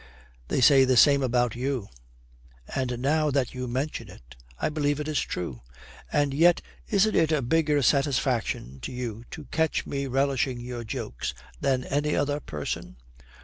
'They say the same about you.' 'And now that you mention it, I believe it is true; and yet, isn't it a bigger satisfaction to you to catch me relishing your jokes than any other person?'